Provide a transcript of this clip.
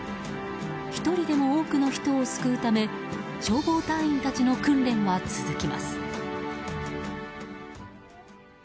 １人でも多くの人を救うため消防隊員たちの訓練は続きます。